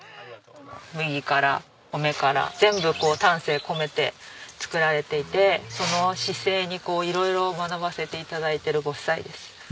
麦から米から全部丹精込めて作られていてその姿勢にいろいろ学ばせて頂いてるご夫妻です。